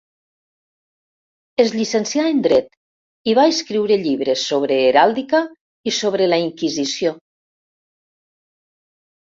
Es llicencià en dret i va escriure llibres sobre heràldica i sobre la inquisició.